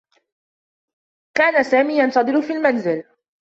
كان سامي ينتظر في المنزل.